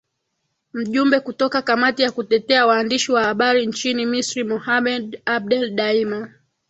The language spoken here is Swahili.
mjumbe kutoka kamati ya kutetea waandishi wa habari nchini misri mohamed abdel daima